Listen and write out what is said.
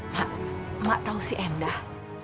mak mak tahu si endah